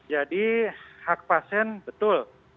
jadi hak pasien betul